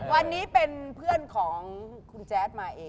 วันนี้เป็นเพื่อนของคุณแจ๊ดมาเอง